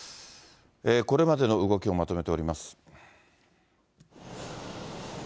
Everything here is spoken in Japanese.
これまでの動きをまとめております。